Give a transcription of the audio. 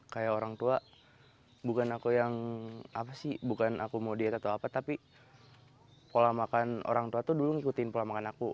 kayak orang tua bukan aku yang apa sih bukan aku mau diet atau apa tapi pola makan orang tua tuh dulu ngikutin pola makan aku